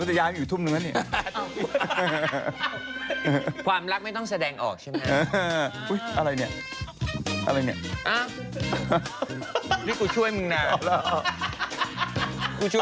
กระเทยเก่งกว่าเออแสดงความเป็นเจ้าข้าว